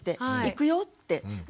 行くよって。